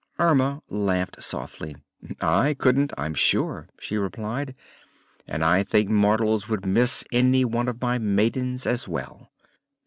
Erma laughed softly. "I couldn't, I'm sure," she replied, "and I think mortals would miss any one of my maidens, as well.